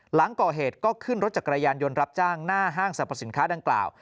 หลังก่อเหตุก็ขึ้นรถจักรยานยนต์รับจ้างหน้าห้างสรรพสินค้าดังกล่าว